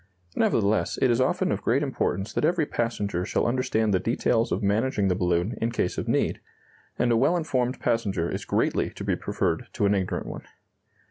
Nevertheless, it is often of great importance that every passenger shall understand the details of managing the balloon in case of need; and a well informed passenger is greatly to be preferred to an ignorant one.